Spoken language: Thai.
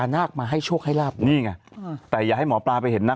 นี่ไงแต่อยากให้หมอปราไปเห็นนัก